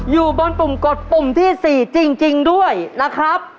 อยู่บนปุ่มกดปุ่มที่๔จริงด้วยนะครับ